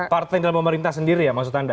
partai dalam pemerintah sendiri ya maksud anda